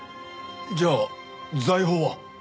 じゃあ財宝は？